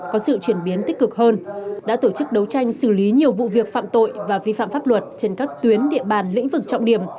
có sự chuyển biến tích cực hơn đã tổ chức đấu tranh xử lý nhiều vụ việc phạm tội và vi phạm pháp luật trên các tuyến địa bàn lĩnh vực trọng điểm